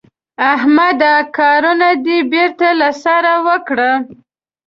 احمده کارونه دې بېرته له سره وکړه.